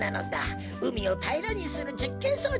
うみをたいらにするじっけんそうちだったのだ。